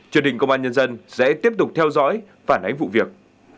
chương trình công an nhân dân sẽ tiếp tục theo dõi và nánh vụ việc